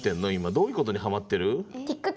どういうことにハマってる？